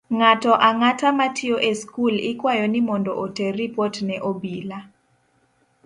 Ng'ato ang'ata matiyo e skul ikwayo ni mondo oter ripot ne obila